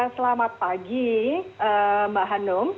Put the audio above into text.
selamat pagi mbak hanum